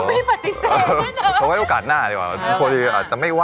ว่าจะดีหรอครับ